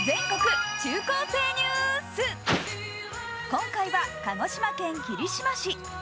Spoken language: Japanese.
今回は鹿児島県霧島市。